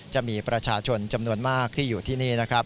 จะมีประชาชนจำนวนมากที่อยู่ที่นี่นะครับ